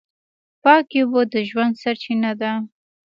پاکې اوبه د ژوند سرچینه ده.